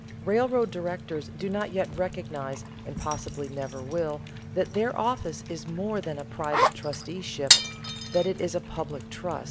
Railroad directors do not yet recognize, and possibly never will, that their office is more than a private trusteeship, that it is a public trust.